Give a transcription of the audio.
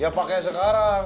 iya pakai sekarang